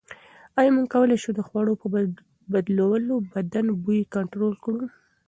ایا موږ کولای شو د خوړو په بدلولو بدن بوی کنټرول کړو؟